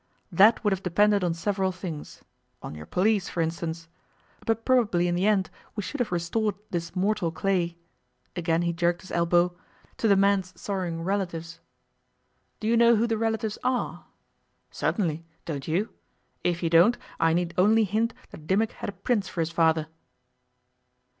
'That would have depended on several things on your police, for instance. But probably in the end we should have restored this mortal clay' again he jerked his elbow 'to the man's sorrowing relatives.' 'Do you know who the relatives are?' 'Certainly. Don't you? If you don't I need only hint that Dimmock had a Prince for his father.